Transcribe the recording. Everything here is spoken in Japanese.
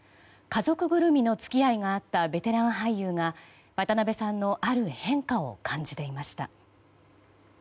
家族ぐるみの付き合いがあったベテラン俳優が渡辺さんのある変化を感じていました。